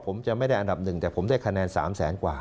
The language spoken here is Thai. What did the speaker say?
ผมจะไม่ได้อันดับหนึ่งแต่ผมได้คะแนน๓แสนกว่า